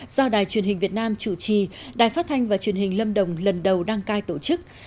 do đài truyền hình việt nam chủ trì đài phát thanh và truyền hình lâm đồng lần đầu đăng cai tổ chức